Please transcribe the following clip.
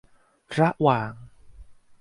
ระหว่าง